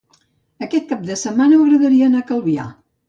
Aquest cap de setmana m'agradaria anar a Calvià.